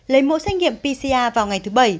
lấy mẫu xét nghiệm pcr vào ngày thứ bảy